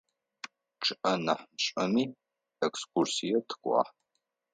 Чъыӏэ нахь мышӏэми, экскурсие тыкӏуагъ.